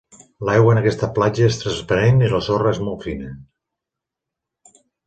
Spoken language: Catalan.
L'aigua en aquesta platja és transparent i la sorra és molt fina.